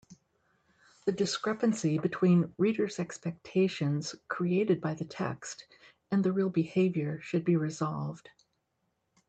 The discrepancy between reader’s expectations created by the text and the real behaviour should be resolved.